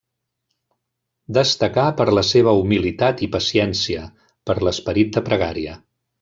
Destacà per la seva humilitat i paciència, per l'esperit de pregària.